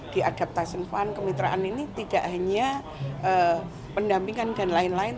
di adaptation fund kemitraan ini tidak hanya pendampingan dan lain lain